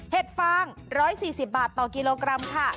ฟาง๑๔๐บาทต่อกิโลกรัมค่ะ